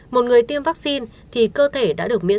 một người tiêm vaccine thì cơ thể đã được